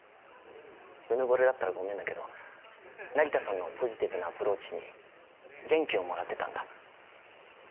うぬぼれだったらごめんだけど成田さんのポジティブなアプローチに元気をもらってたんだ。